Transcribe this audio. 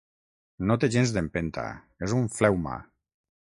No té gens d'empenta, és un fleuma.